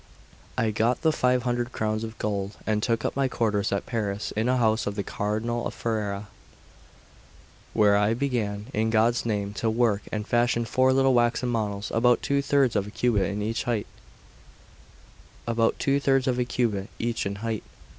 I got the five hundred crowns of gold, and took up my quarters at Paris in a house of the Cardinal of Ferrera. There I began, in God's name, to work, and fashioned four little waxen models, about two thirds of a cubit each in height.